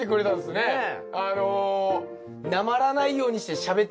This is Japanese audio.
ねえ。